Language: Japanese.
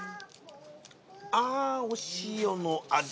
ああお塩の味。